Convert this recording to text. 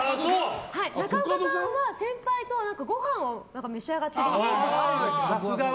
中岡さんは先輩とごはんを召し上がってるイメージがあるんです。